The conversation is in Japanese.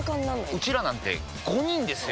ウチらなんて５人ですよ！